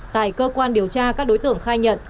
tại cơ quan điều tra các đối tượng khai nhận